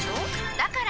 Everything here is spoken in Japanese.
だから！